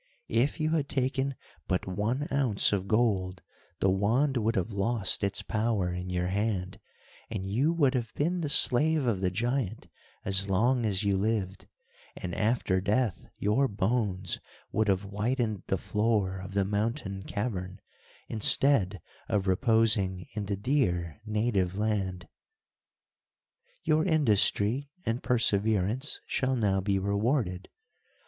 "If you had taken but one ounce of gold the wand would have lost its power in your hand, and you would have been the slave of the giant as long as you lived, and after death your bones would have whitened the floor of the mountain cavern, instead of reposing in the dear native land." "Your industry and perseverance shall now be rewarded.